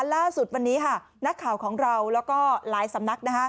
ล่าสุดวันนี้นักข่าวของเราแล้วก็หลายสำนัก